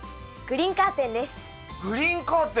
グリーンカーテン！